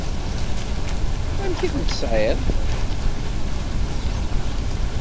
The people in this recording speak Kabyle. Amek i ten-tesεiḍ?